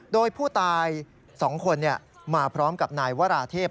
โดยผู้ตาย๒คนมาพร้อมกับนายวราเทพ